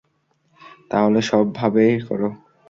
তাহলে সব ভাবেই করো।